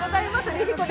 ＬｉＬｉＣｏ